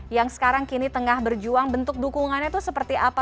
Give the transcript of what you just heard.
yang sekarang kini tengah berjuang bentuk dukungannya itu seperti apa